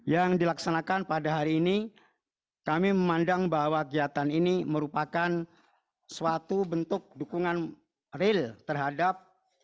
yang dilaksanakan pada hari ini kami memandang bahwa kegiatan ini merupakan suatu bentuk dukungan real terhadap